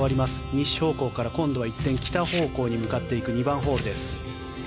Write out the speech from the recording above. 西方向から今度は一転北方向に向かっていく２番ホールです。